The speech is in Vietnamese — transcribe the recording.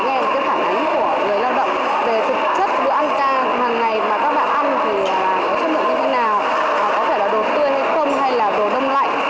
hàng ngày mà các bạn ăn thì có chất lượng như thế nào có thể là đồ tươi hay không hay là đồ nông lạnh